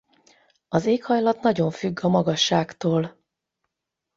Az éghajlat nagyon függ a magasságtól.